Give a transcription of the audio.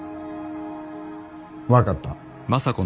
分かった。